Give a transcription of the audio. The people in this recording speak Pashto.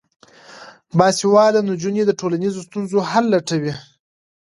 باسواده نجونې د ټولنیزو ستونزو حل لټوي.